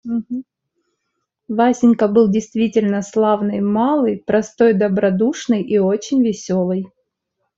Васенька был действительно славный малый, простой, добродушный и очень веселый.